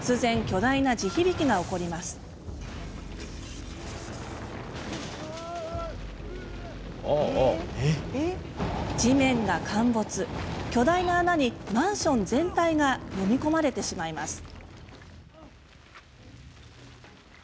巨大な穴にマンション全体がのみ込まれてしまいます。